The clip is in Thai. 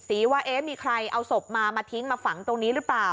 ว่าเอ๊ะมีใครเอาศพมามาทิ้งมาฝังตรงนี้หรือเปล่า